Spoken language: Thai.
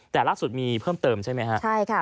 แต่ล่าสุดมีเพิ่มเติมใช่ไหมครับ